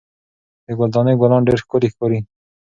د ګل دانۍ ګلان ډېر ښکلي ښکاري.